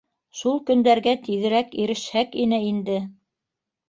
— Шул көндәргә тиҙерәк ирешһәк ине инде.